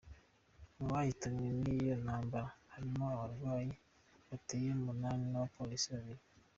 Mu bahitanywe n'iyo ntambara harimwo abarwanyi bateye umunani n'abapolsi babiri.